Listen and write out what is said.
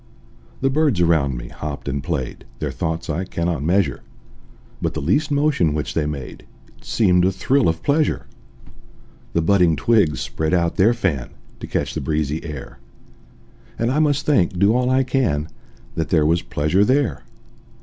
The birds around me hopped and played, Their thoughts I cannot measure: But the least motion which they made It seemed a thrill of pleasure. The budding twigs spread out their fan, To catch the breezy air; And I must think, do all I can, That there was pleasure there.